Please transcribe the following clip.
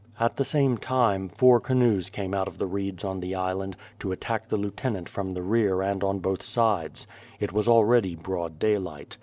At the same time, four canoes came out of the reeds on the island, to attack the lieutenant fror. the rear and on both sides. It was already broad daylight.